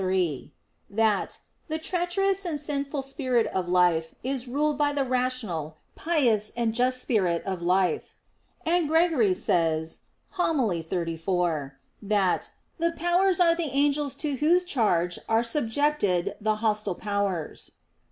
iii), that "the treacherous and sinful spirit of life is ruled by the rational, pious, and just spirit of life"; and Gregory says (Hom. xxxiv) that "the Powers are the angels to whose charge are subjected the hostile powers."